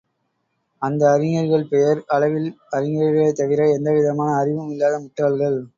அந்த அறிஞர்கள் பெயர் அளவில் அறிஞர்களே தவிர எந்தவிதமான அறிவும் இல்லாத முட்டாள்கள்.